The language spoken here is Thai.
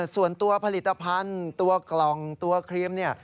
ส่วนตัวผลิตภัณฑ์ตัวกล่องตัวครีมเนี่ย